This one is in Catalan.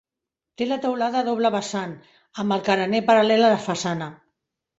Té la teulada a doble vessant amb el carener paral·lel a la façana.